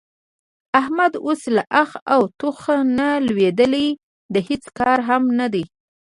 احمد اوس له اخ او ټوخ نه لوېدلی د هېڅ کار هم نه دی.